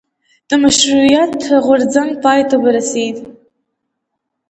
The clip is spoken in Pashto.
د مشروطیت غورځنګ پای ته ورسیده.